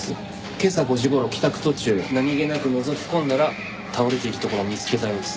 今朝５時頃帰宅途中何げなくのぞき込んだら倒れているところを見つけたようです。